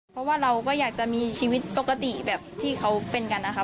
เพราะว่าเราก็อยากจะมีชีวิตปกติแบบที่เขาเป็นกันนะคะ